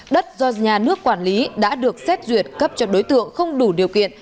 đất do nhà nước quản lý đã được xét duyệt cấp cho đối tượng không đủ điều kiện